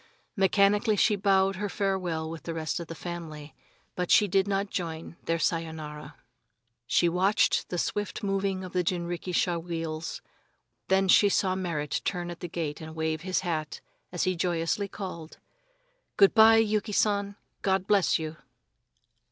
Mechanically she bowed her farewell with the rest of the family, but she did not join their "Sayonara." She watched the swift moving of the jinrikisha wheels, then she saw Merrit turn at the gate and wave his hat as he joyously called: "Good by, Yuki San, God bless you!"